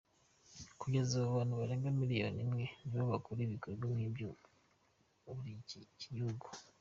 Kugeza ubu, abantu barenga miliyoni imwe nibo bakora ibikorwa nk’ibyo muri iki gihugu.